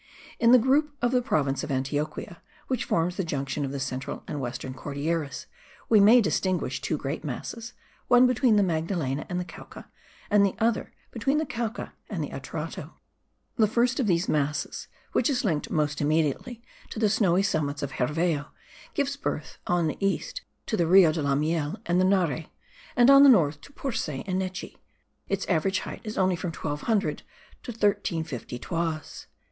In the group of the province of Antioquia, which forms the junction of the central and western Cordilleras, we may distinguish two great masses; one between the Magdalena and the Cauca, and the other between the Cauca and the Atrato. The first of these masses, which is linked most immediately to the snowy summits of Herveo, gives birth on the east to the Rio de la Miel and the Nare; and on the north to Porce and Nechi; its average height is only from 1200 to 1350 toises.